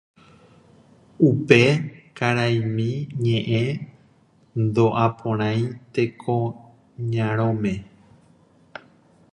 Upe karaimi ñe'ẽ ndo'aporãi Tekoñarõme